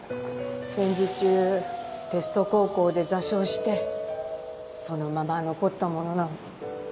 戦時中テスト航行で座礁してそのまま残ったものなの。